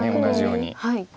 同じように。